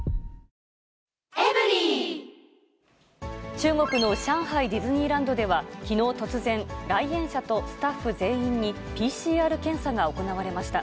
中国の上海ディズニーランドでは、きのう突然、来園者とスタッフ全員に、ＰＣＲ検査が行われました。